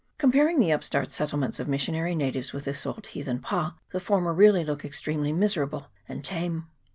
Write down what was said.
Comparing the upstart settlements of mis sionary natives with this old heathen pa, the former really look extremely miserable and tame.